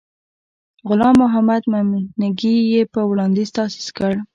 غلام محمد میمنګي یې په وړاندیز تأسیس کړ.